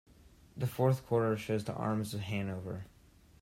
The fourth quarter shows the Arms of Hanover.